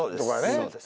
そうです